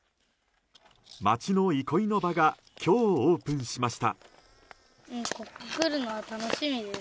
町の憩いの場が今日、オープンしました。